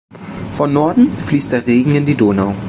Von Norden fließt der Regen in die Donau.